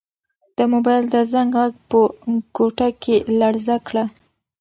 د موبایل د زنګ غږ په کوټه کې لړزه کړه.